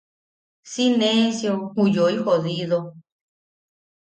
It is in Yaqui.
¡Si nesio ju yoi jodido!